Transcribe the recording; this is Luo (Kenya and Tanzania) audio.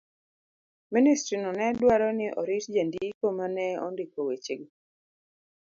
Ministrino ne dwaro ni orit jandiko ma ne ondiko wechego.